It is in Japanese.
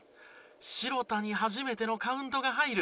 城田に初めてのカウントが入る。